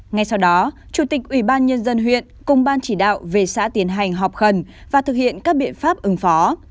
ngay sau đó chủ tịch ủy ban nhân dân huyện cùng ban chỉ đạo về xã tiến hành họp khẩn và thực hiện các biện pháp ứng phó